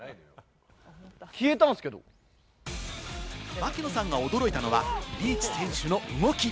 槙野さんが驚いたのは、リーチ選手の動き。